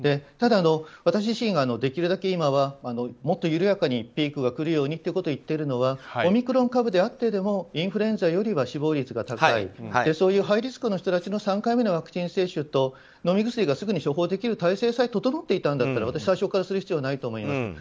ただ、私自身ができるだけ今はもっと緩やかにピークが来るようにということを言っているのはオミクロン株であってでもインフルエンザよりは死亡率が高いそういうハイリスクの人たちの３回目のワクチン接種と飲み薬がすぐに処方できる体制さえ整っていたんだったら私、最初からする必要はないと思います。